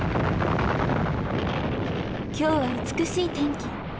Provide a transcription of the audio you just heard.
「今日は美しい天気。